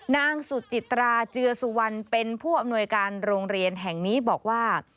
นางสุจิตราเจือสุวรรณเป็นผู้อำนวยการโรงเรียนแห่งนี้บอกว่า